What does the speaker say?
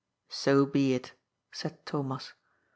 " So be it," said Thomas.